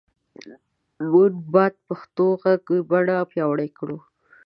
مونږ باد پښتو غږیزه بڼه پیاوړی کړو